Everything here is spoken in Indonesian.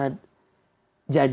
janji yang sempurna